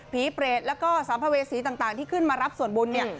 เปรตแล้วก็สัมภเวษีต่างที่ขึ้นมารับส่วนบุญเนี่ย